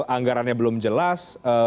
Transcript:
anggarannya belum jelas